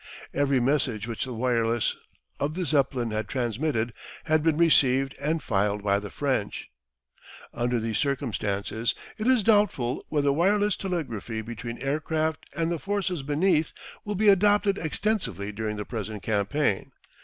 Every message which the wireless of the Zeppelin had transmitted had been received and filed by the French. Under these circumstances it is doubtful whether wireless telegraphy between aircraft and the forces beneath will be adopted extensively during the present campaign.